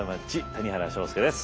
谷原章介です。